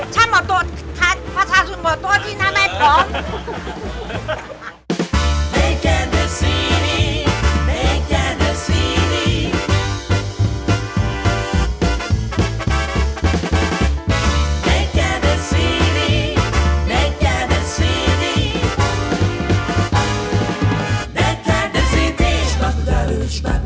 ฉันบอกตัวประชาสุนบอกตัวจริงทำไมพร้อม